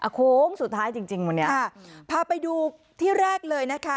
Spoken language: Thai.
โค้งสุดท้ายจริงจริงวันนี้ค่ะพาไปดูที่แรกเลยนะคะ